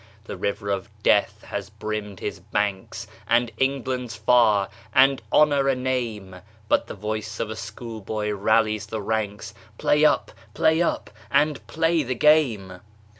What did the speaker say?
The river of death has brimmed his banks, And England's far, and Honour a name, But the voice of schoolboy rallies the ranks, "Play up! play up! and play the game!"